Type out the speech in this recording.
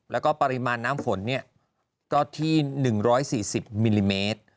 แล้วก็ปริมาณน้ำฝนก็ที่๑๔๐มิลลิเมตร